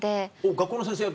学校の先生役？